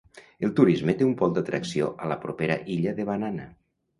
El turisme té un pol d'atracció a la propera illa de Banana.